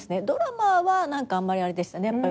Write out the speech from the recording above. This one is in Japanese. ドラマは何かあんまりあれでしたね。